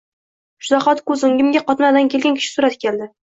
Shu zahoti ko’z o’ngimga qotmadan kelgan kishi surati keldi.